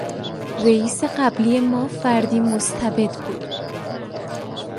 رئیس قبلی ما فردی مستبد بود.